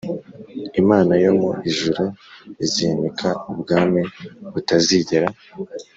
Imana yo mu ijuru izimika ubwami butazigera